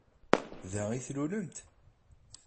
Da i tlulemt?